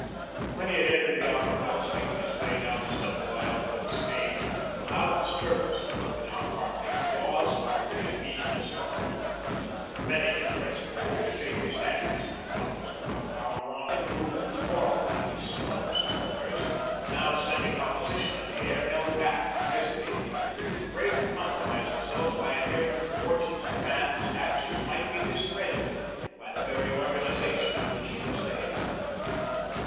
When he had entered the Opera House, making his way down the central aisle towards the stage, a loud disturbance had broken out, partly applause, partly a meaningless uproar. Many had pressed forward to shake his hand, but others were not found wanting who, formerly his staunch supporters, now scenting opposition in the air, held back, hesitating, afraid to compromise themselves by adhering to the fortunes of a man whose actions might be discredited by the very organisation of which he was the head.